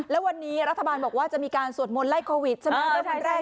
แล้ววันนี้รัฐบาลบอกว่าจะมีการสวดมนต์ไลก์โควิดใช่ไหม